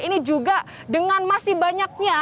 ini juga dengan masih banyaknya